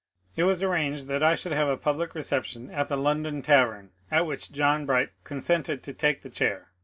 It was arranged that I should have a public reception at the London Tavern, at which John Bright consented to take the chair.